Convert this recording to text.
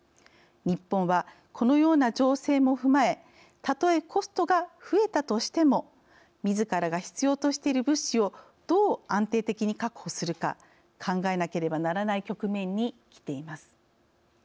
日本はこのような情勢も踏まえたとえコストが増えたとしてもみずからが必要としている物資をどう安定的に確保するか考えなければならない局面にきています。